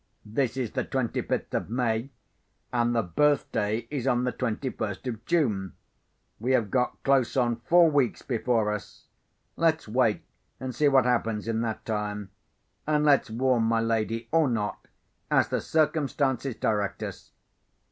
This is the twenty fifth of May, and the birthday is on the twenty first of June. We have got close on four weeks before us. Let's wait and see what happens in that time; and let's warn my lady, or not, as the circumstances direct us."